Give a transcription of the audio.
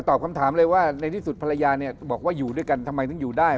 คำถามเลยว่าในที่สุดภรรยาเนี่ยบอกว่าอยู่ด้วยกันทำไมถึงอยู่ได้